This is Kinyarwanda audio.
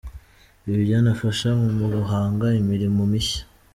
Ibi byanafasha mu guhanga imirimo mishya.